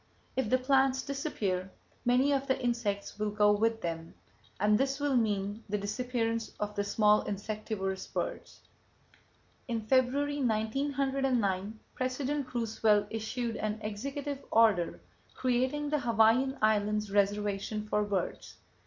If the plants disappear, many of the insects will go with them; and this will mean the disappearance of the small insectivorous birds. In February, 1909, President Roosevelt issued an executive order creating the Hawaiian Islands Reservation for Birds.